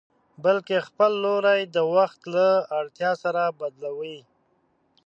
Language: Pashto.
بلکې خپل لوری د وخت له اړتيا سره بدلوي.